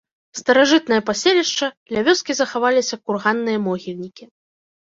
Старажытнае паселішча, ля вёскі захаваліся курганныя могільнікі.